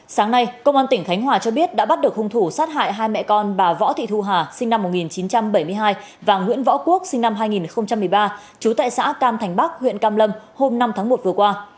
sáng nay công an tỉnh khánh hòa cho biết đã bắt được hung thủ sát hại hai mẹ con bà võ thị thu hà sinh năm một nghìn chín trăm bảy mươi hai và nguyễn võ quốc sinh năm hai nghìn một mươi ba trú tại xã cam thành bắc huyện cam lâm hôm năm tháng một vừa qua